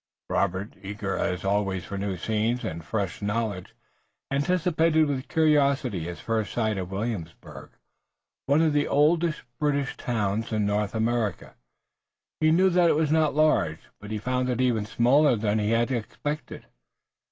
Robert, eager as always for new scenes, and fresh knowledge, anticipated with curiosity his first sight of Williamsburg, one of the oldest British towns in North America. He knew that it was not large, but he found it even smaller than he had expected.